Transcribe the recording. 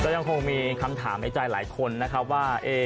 ยังคงมีคำถามในใจหลายคนนะครับว่า